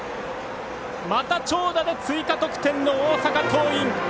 また長打で追加得点の大阪桐蔭！